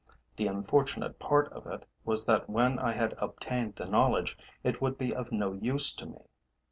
The unfortunate part of it was that when I had obtained the knowledge it would be of no use to me.